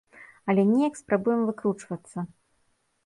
Але неяк спрабуем выкручвацца.